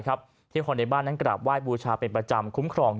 ที่คนในบ้านนั้นกราบไห้บูชาเป็นประจำคุ้มครอง